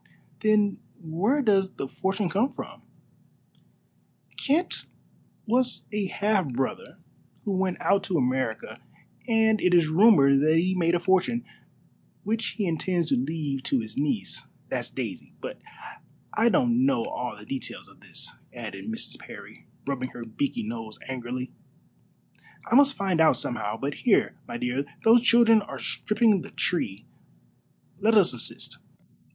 "Then where does the fortune come from?" "Kent was a half brother who went out to America, and it is rumored that he made a fortune, which he intends to leave to his niece that's Daisy. But I don't know all the details of this," added Mrs. Parry, rubbing her beaky nose angrily; "I must find out somehow. But here, my dear, those children are stripping the tree. Let us assist.